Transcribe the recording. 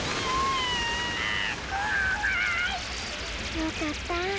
よかった。